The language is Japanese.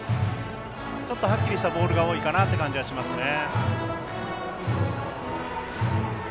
はっきりしたボールが多いかなっていう感じはしますね。